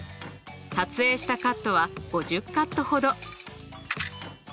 撮影したカットは５０カットほど。